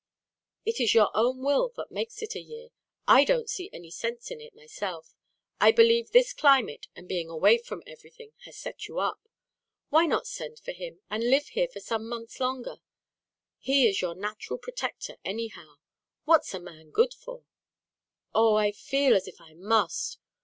"It is your own will that makes it a year. I don't see any sense in it, myself. I believe this climate, and being away from everything, has set you up. Why not send for him, and live here for some months longer? He is your natural protector, anyhow. What's a man good for?" "Oh, I feel as if I must!